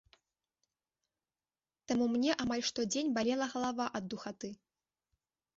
Таму мне амаль штодзень балела галава ад духаты.